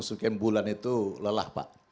sekian bulan itu lelah pak